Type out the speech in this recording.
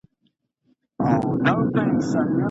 روغتیایي مرکزونه څنګه اکمالیږي؟